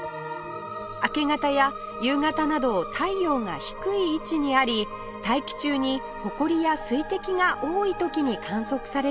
明け方や夕方など太陽が低い位置にあり大気中に埃や水滴が多い時に観測されるそうです